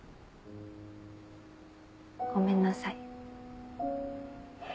ごめんなさい。